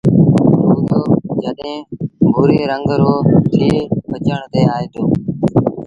تُوريو جڏهيݩ ڀُوري رنگ رو ٿئي پچڻ تي آئي دو